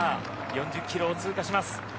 ４０キロを通過します。